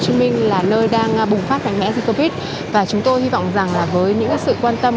hồ chí minh là nơi đang bùng phát mạnh mẽ dịch covid và chúng tôi hy vọng rằng là với những sự quan tâm